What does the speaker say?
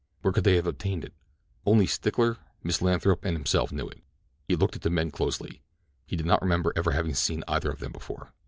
Where could they have obtained it? Only Stickler, Miss Lathrop and himself knew it. He looked at the men closely—he did not remember ever having seen either of them before.